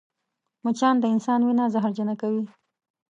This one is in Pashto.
مچان د انسان وینه زهرجنه کوي